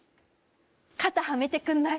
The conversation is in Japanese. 肩はめてくんない？